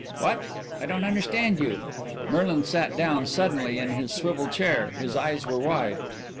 "What? I don't understand you." Merlin sat down suddenly in his swivel chair; his eyes were wide.